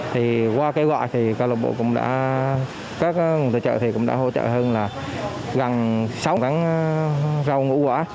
thì qua kế hoạch thì cán bộ cũng đã các ngôi chợ cũng đã hỗ trợ hơn là gần sáu ngàn rau ngũ quả